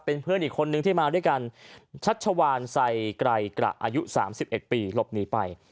เป็นเพื่อนอีกคนนึงที่มาด้วยกันชัชวานไซไกรกระอายุ๓๑ปีหลบหนีไป